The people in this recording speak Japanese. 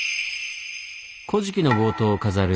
「古事記」の冒頭を飾る